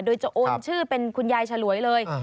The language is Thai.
โดยจะโอนชื่อเป็นคุณยายฉลวยเลย